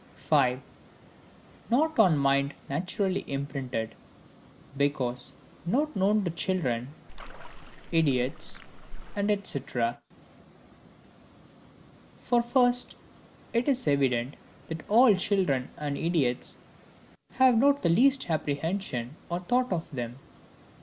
5. Not on Mind naturally imprinted, because not known to Children, Idiots, &c. For, first, it is evident, that all children and idiots have not the least apprehension or thought of them.